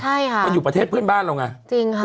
ใช่ค่ะมันอยู่ประเทศเพื่อนบ้านเราไงจริงค่ะ